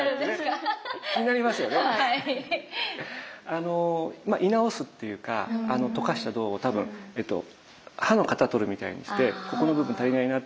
あの鋳直すっていうか溶かした銅を多分歯の型とるみたいにしてここの部分足りないな。